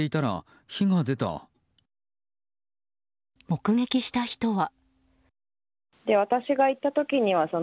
目撃した人は。